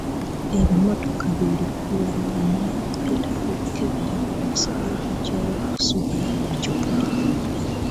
Ebimotoka bi lukuluulana byonna byetaaga okukeberwa okusobola okuggyawo okusuubula ebicupuli.